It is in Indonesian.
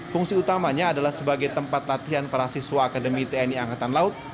fungsi utamanya adalah sebagai tempat latihan para siswa akademi tni angkatan laut